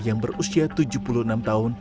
yang berusia tujuh puluh enam tahun